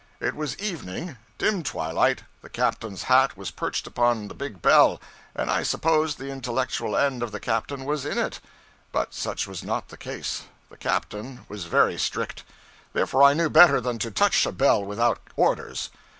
It was evening dim twilight the captain's hat was perched upon the big bell, and I supposed the intellectual end of the captain was in it, but such was not the case. The captain was very strict; therefore I knew better than to touch a bell without orders.